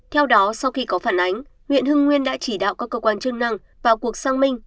theo đó sau khi có phản ánh huyện hưng nguyên đã chỉ đạo các cơ quan chức năng vào cuộc sang minh